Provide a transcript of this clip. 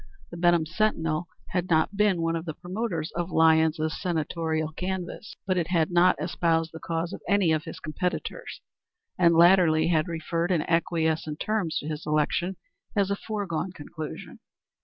The Benham Sentinel had not been one of the promoters of Lyons's senatorial canvass, but it had not espoused the cause of any of his competitors, and latterly had referred in acquiescent terms to his election as a foregone conclusion.